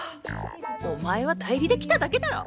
お前は代理で来ただけだろ！